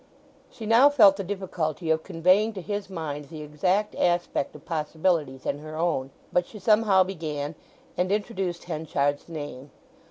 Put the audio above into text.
She now felt the difficulty of conveying to his mind the exact aspect of possibilities in her own. But she somehow began, and introduced Henchard's name.